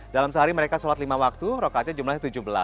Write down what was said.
dalam sehari mereka sholat lima waktu rokatnya jumlahnya tujuh belas